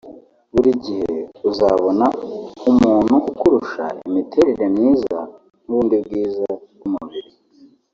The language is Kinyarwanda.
Buri gihe uzabona umuntu ukurusha imiterere myiza n’ubundi bwiza bw’umubiri